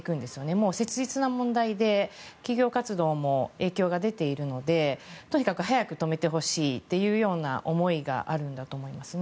もう切実な問題で企業活動も影響が出ているのでとにかく早く止めてほしいというような思いがあるんだと思いますね。